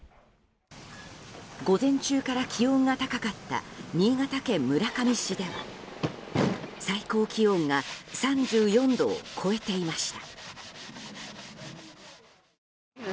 午前中から気温が高かった新潟県村上市では最高気温が３４度を超えていました。